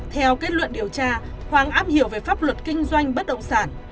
theo kết luận điều tra hoàng am hiểu về pháp luật kinh doanh bất động sản